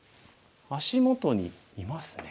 足元にいますね。